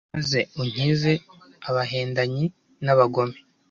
maze unkize abahendanyi n'abagome